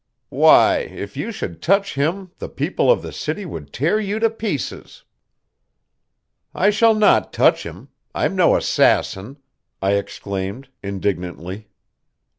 "Why, if you should touch him the people of the city would tear you to pieces." "I shall not touch him. I'm no assassin!" I exclaimed indignantly.